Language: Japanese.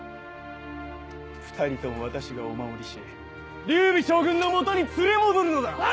２人とも私がお守りし劉備将軍の元に連れ戻るのだ！